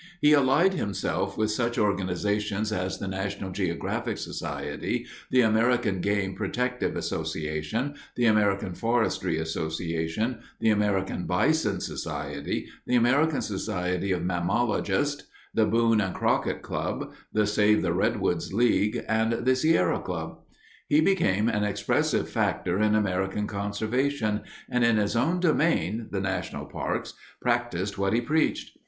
He allied himself with such organizations as the National Geographic Society, the American Game Protective Association, the American Forestry Association, the American Bison Society, the American Society of Mammalogists, the Boone and Crockett Club, the Save the Redwoods League, and the Sierra Club. He became an expressive factor in American conservation and in his own domain, the national parks, practiced what he preached.